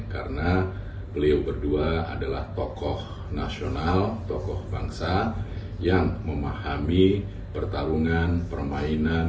karena beliau berdua adalah tokoh nasional tokoh bangsa yang memahami pertarungan permainan